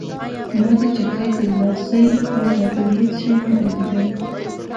ما د چترۍ د لاسۍ پرته بل هېڅ شی نه لیدل.